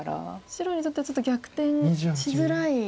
白にとってはちょっと逆転しづらい。